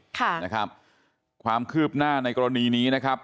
ค่ะนะครับความคืบหน้าในกรณีนี้นะครับ